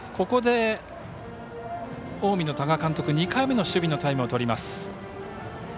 ここで近江の多賀監督２回目の守備のタイムをとります。